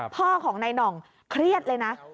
พ่อของนายหน่องเครียดเลยนะ